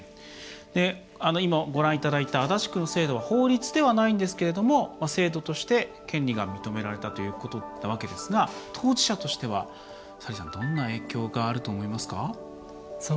今、ご覧いただいた足立区の制度は法律ではないんですけれども制度として、権利が認められたということなわけですが当事者としては、サリーさんどんな影響があると思いますか？